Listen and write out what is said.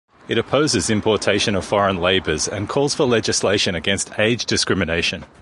It opposes importation of foreign labours and calls for legislation against age discrimination.